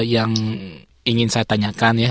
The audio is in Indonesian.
yang ingin saya tanyakan ya